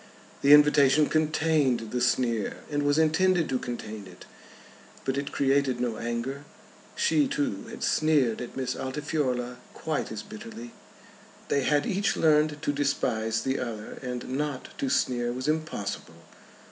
The invitation contained the sneer, and was intended to contain it. But it created no anger. She, too, had sneered at Miss Altifiorla quite as bitterly. They had each learned to despise the other, and not to sneer was impossible.